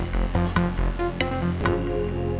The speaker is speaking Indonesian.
kalau bapak nggak pergi nggak ada